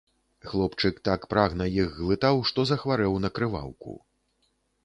Хлопчык так прагна іх глытаў, што захварэў на крываўку.